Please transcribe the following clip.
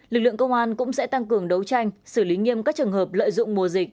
lực lượng công an cũng sẽ tăng cường đấu tranh xử lý nghiêm các trường hợp lợi dụng mùa dịch